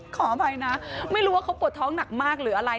ขออภัยนะไม่รู้ว่าเขาปวดท้องหนักมากหรืออะไร